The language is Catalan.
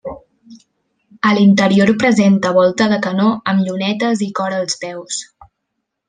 A l'interior presenta volta de canó amb llunetes i cor als peus.